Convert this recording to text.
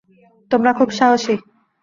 তোমরা খুব সাহসী।